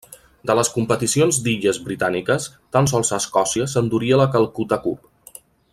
De les competicions d'illes britàniques, tan sols Escòcia s’enduria la Calcuta Cup.